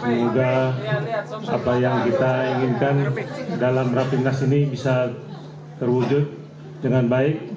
semoga apa yang kita inginkan dalam rapimnas ini bisa terwujud dengan baik